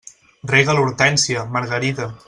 Rega l'hortènsia, Margarida.